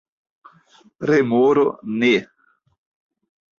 Remoro: "Ne!"